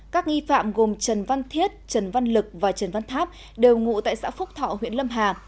các nghi phạm gồm trần văn thiết trần văn lực và trần văn tháp đều ngụ tại xã phúc thọ huyện lâm hà